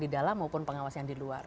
di dalam maupun pengawas yang di luar